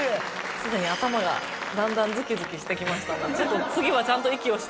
すでに頭がだんだんずきずきしてきました。